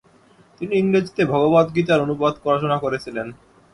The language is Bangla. তিনি ইংরেজিতে ভগবদ্গীতার অনুবাদ রচনা করেছিলেন।